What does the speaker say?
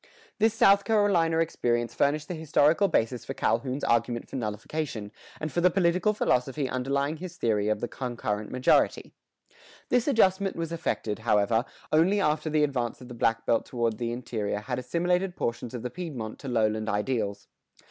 [117:3] This South Carolina experience furnished the historical basis for Calhoun's argument for nullification, and for the political philosophy underlying his theory of the "concurrent majority."[118:1] This adjustment was effected, however, only after the advance of the black belt toward the interior had assimilated portions of the Piedmont to lowland ideals.